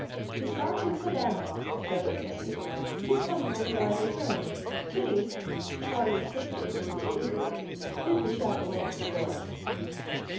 "He stopped in Savannah," Beverly answered. "He's coming over by the train. Kitty Charley's sister, Mrs. Bleecker did the chaperoning for us.